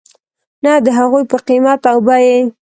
نه د هغوی په قیمت او بیې .